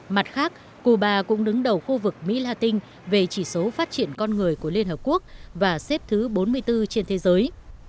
mặt khác cuba cũng đứng đầu khu vực mỹ la tinh về chỉ số phát triển con người của liên hợp quốc và xếp thứ bốn mươi bốn trên thế giới